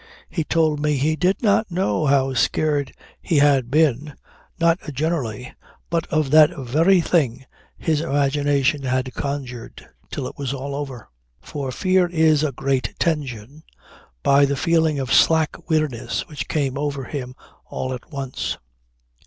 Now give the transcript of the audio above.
He told me he did not know how scared he had been, not generally but of that very thing his imagination had conjured, till it was all over. He measured it (for fear is a great tension) by the feeling of slack weariness which came over him all at once.